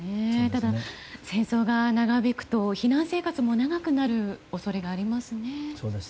ただ、戦争が長引くと避難生活も長くなる恐れがありますよね。